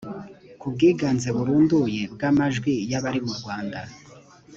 ku bwiganze burunduye bw amajwi y abari mu rwanda